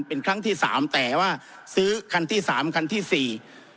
เป็นครั้งที่สามแต่ว่าซื้อคันที่สามคันที่สี่